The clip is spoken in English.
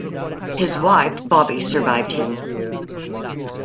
His wife, Bobbe, survived him.